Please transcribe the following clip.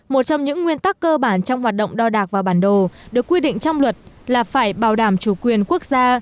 một trong những nguyên tắc cơ bản trong hoạt động đo đạc và bản đồ được quy định trong luật là phải bảo đảm chủ quyền quốc gia